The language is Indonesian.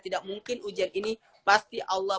tidak mungkin ujian ini pasti allah